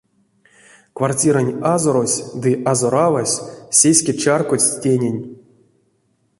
Квартирань азорось ды азоравась сеске чарькодсть тенень.